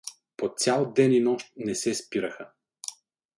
По цял ден и нощ не се спираха.